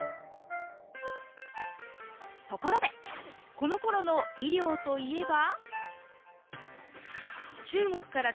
ところでこのころの医療といえば。